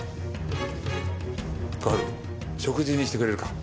小春食事にしてくれるか？